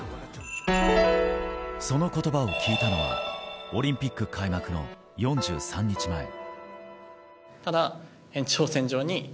その言葉を聞いたのはオリンピック開幕の４３日前。